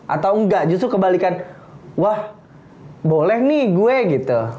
atau enggak justru kebalikan wah boleh nih gue gitu